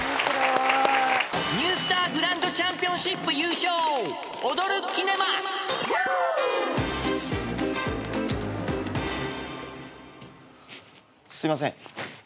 すいません。